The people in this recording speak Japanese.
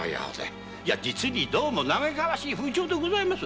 実にどうも嘆かわしい風潮でございます。